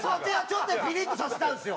ちょっとピリッとさせたんですよ。